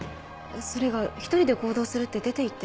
それが１人で行動するって出て行って。